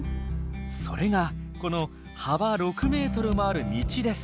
それがこの幅６ｍもある道です。